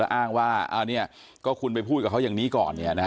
และอ้างว่าครูเนี่ยคุณไปพูดกับเขาอย่างนี้ก่อน